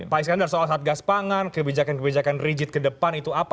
pak iskandar soal satgas pangan kebijakan kebijakan rigid ke depan itu apa